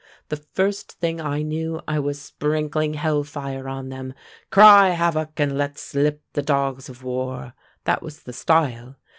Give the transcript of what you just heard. The first thing I knew I was sprinkling hell fire on them, 'Cry havoc, and let slip the dogs of war.' That was the style.